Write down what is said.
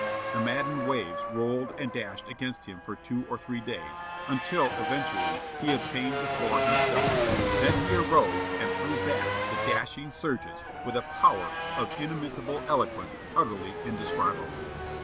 The maddened waves rolled and dashed against him for two or three days, until eventually he obtained the floor himself; then he arose and threw back the dashing surges with a power of inimitable eloquence utterly indescribable."